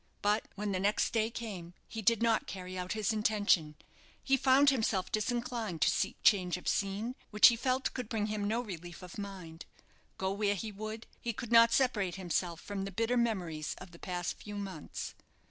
But when the next day came he did not carry out his intention. He found himself disinclined to seek change of scene, which he felt could bring him no relief of mind. Go where he would, he could not separate himself from the bitter memories of the past few months.